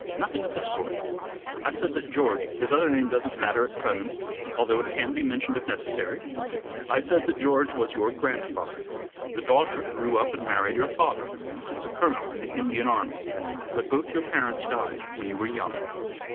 "Nothing of the sort. I said that George his other name doesn't matter at present, although it can be mentioned if necessary I said that George was your grandfather. The daughter grew up and married your father, who was a colonel in the Indian army. But both your parents died when you were young.